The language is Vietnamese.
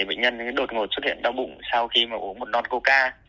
bệnh nhân đột ngột xuất hiện đau bụng sau khi mà uống một non coca